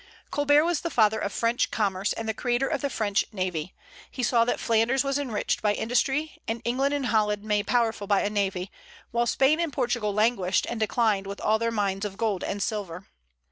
Colbert was the father of French commerce, and the creator of the French navy. He saw that Flanders was enriched by industry, and England and Holland made powerful by a navy, while Spain and Portugal languished and declined with all their mines of gold and silver.